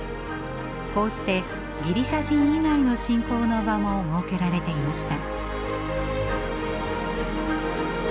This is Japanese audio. こうしてギリシャ人以外の信仰の場も設けられていました。